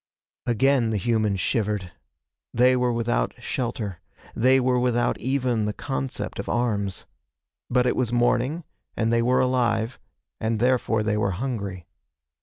Again the humans shivered. They were without shelter. They were without even the concept of arms. But it was morning, and they were alive, and therefore they were hungry.